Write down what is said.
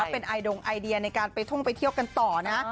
เป็นไอดงไอเดียในการไปท่องไปเที่ยวกันต่อนะ